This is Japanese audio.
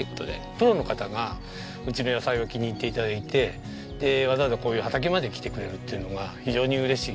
プロの方がうちの野菜を気に入って頂いてわざわざこういう畑まで来てくれるっていうのが非常に嬉しい。